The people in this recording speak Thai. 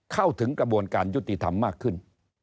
เข้าถึงกระบวนการยุติธรรมมากขึ้น